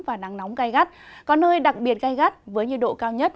và nắng nóng gây gắt có nơi đặc biệt gây gắt với nhiệt độ cao nhất